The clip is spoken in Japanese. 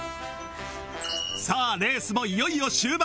さあレースもいよいよ終盤